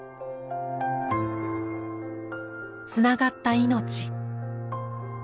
つながった命。